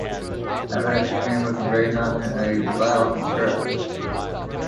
At last she came, looking very nice in a blouse and skirt.